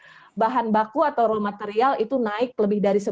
taka bahan baku atau raw material itu naik lebih dari sebelas persen